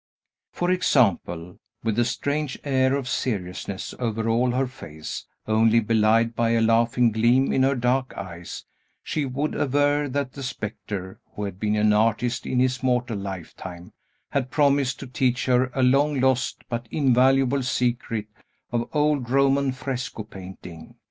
For example, with a strange air of seriousness over all her face, only belied by a laughing gleam in her dark eyes, she would aver that the spectre (who had been an artist in his mortal lifetime) had promised to teach her a long lost, but invaluable secret of old Roman fresco painting.